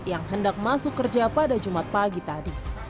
yang hendak masuk kerja pada jumat pagi tadi